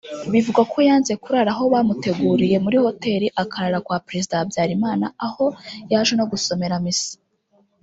Bivugwa ko yanze kurara aho bamuteguriye muri hotel akarara kwa Perezida Habyarimana aho yaje no gusomera misa